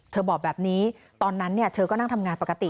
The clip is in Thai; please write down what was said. บอกแบบนี้ตอนนั้นเธอก็นั่งทำงานปกติ